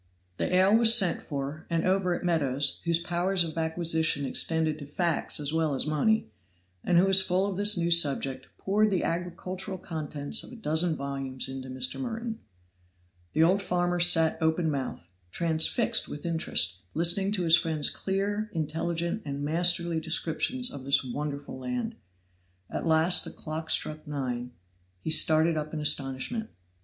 The ale was sent for, and over it Meadows, whose powers of acquisition extended to facts as well as money, and who was full of this new subject, poured the agricultural contents of a dozen volumes into Mr. Merton. The old farmer sat open mouthed, transfixed with interest, listening to his friend's clear, intelligent and masterly descriptions of this wonderful land. At last the clock struck nine; he started up in astonishment.